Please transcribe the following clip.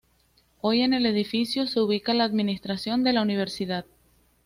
Hoy en el edificio se ubica la administración de la universidad.